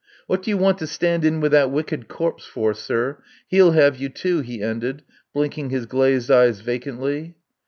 . "What do you want to stand in with that wicked corpse for, sir? He'll have you, too," he ended, blinking his glazed eyes vacantly.